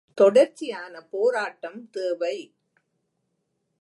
தொடர்ச்சியான போராட்டம் தேவை.